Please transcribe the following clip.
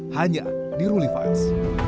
hanya di rulifiles